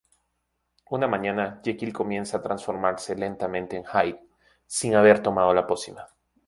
Una mañana, Jekyll comienza a transformarse lentamente en Hyde, sin haber tomado la pócima.